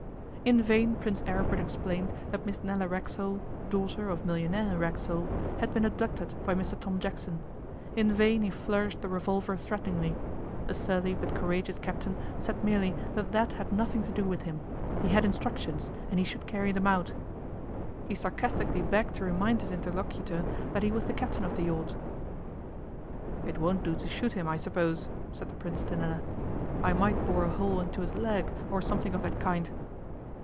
In vain Prince Aribert explained that Miss Nella Racksole, daughter of millionaire Racksole, had been abducted by Mr Tom Jackson; in vain he flourished the revolver threateningly; the surly but courageous captain said merely that that had nothing to do with him; he had instructions, and he should carry them out. He sarcastically begged to remind his interlocutor that he was the captain of the yacht. 'It won't do to shoot him, I suppose,' said the Prince to Nella. 'I might bore a hole into his leg, or something of that kind.